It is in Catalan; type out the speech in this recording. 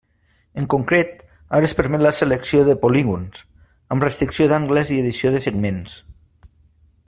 En concret ara es permet la selecció de polígons, amb restricció d'angles i edició de segments.